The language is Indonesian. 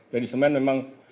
jadi semen memang